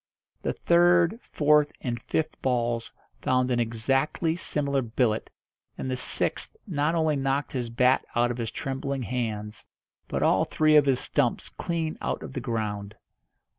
The third, fourth, and fifth balls found an exactly similar billet, and the sixth not only knocked his bat out of his trembling hands, but all three of his stumps clean out of the ground.